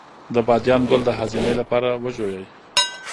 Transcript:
د بادیان ګل د هاضمې لپاره وژويئ